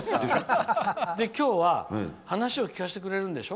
今日は噺を聞かせてくれるんでしょ？